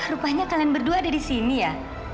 rupanya kalian berdua ada di sini ya